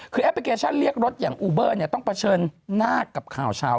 คือแอปพลิเคชันเรียกรถอย่างอูเบอร์เนี่ยต้องเผชิญหน้ากับข่าวเช้า